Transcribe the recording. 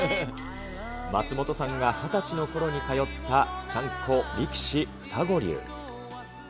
松本さんが２０歳のころに通った、ちゃんこ力士二子竜。